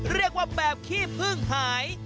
เรียกว่าแบบขี้พึ่งหาย